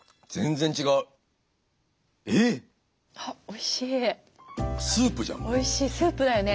おいしいスープだよね。